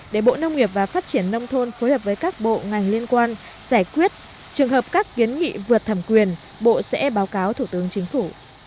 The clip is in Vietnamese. để bộ nông nghiệp và phát triển nông thôn phối hợp với các bộ ngành liên quan giải quyết trường hợp các kiến nghị vượt thẩm quyền bộ sẽ báo cáo thủ tướng chính phủ